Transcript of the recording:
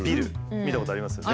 見たことありますよね。